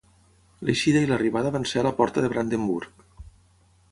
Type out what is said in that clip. L'eixida i l'arribada van ser a la Porta de Brandenburg.